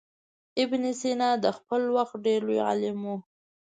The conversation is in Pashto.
ابن سینا د خپل وخت ډېر لوی عالم و.